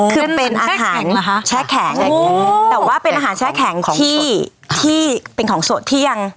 คือเป็นอาหารแช่แข็งแต่ว่าเป็นอาหารแช่แข็งที่ที่เป็นของสดที่ยัง